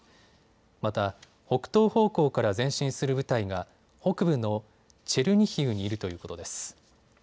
また北東方向から前進する部隊が北部のチェルニヒウにいるということです。